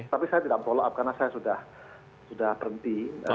tapi saya tidak follow up karena saya sudah berhenti